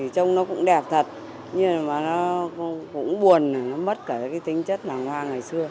trông nó cũng đẹp thật nhưng mà nó cũng buồn nó mất cả cái tính chất làng hoa ngày xưa